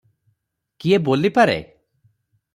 କିଏ ବୋଲିପାରେ?